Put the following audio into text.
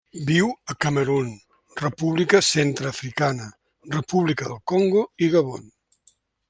Viu a Camerun, República Centreafricana, República del Congo i Gabon.